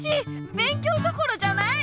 勉強どころじゃない！